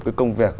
cái công việc